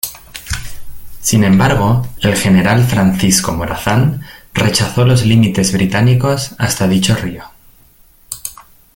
Sin embargo, el General Francisco Morazán rechazó los límites británicos hasta dicho río.